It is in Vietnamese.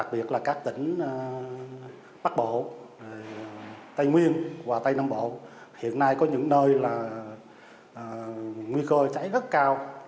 bắc bộ tây nguyên và tây nông bộ hiện nay có những nơi là nguy cơ cháy rất cao